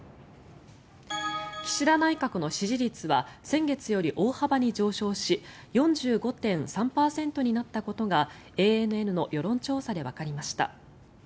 岸田内閣の支持率は先月より大幅に上昇し４５．３％になったことがＡＮＮの世論調査でわかりました。